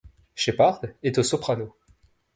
Sheppard est au soprano.